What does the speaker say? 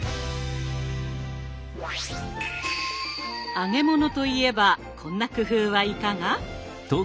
揚げ物といえばこんな工夫はいかが？